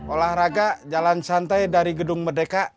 olahraga jalan santai dari gedung merdeka